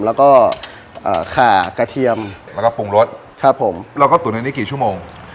แล้วก็ขากระเทียมแล้วก็ปรุงรสครับผมแล้วก็ตุ๋นในนี้กี่ชั่วโมง